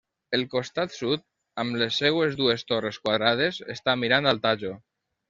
El costat sud, amb les seues dues torres quadrades, està mirant al Tajo.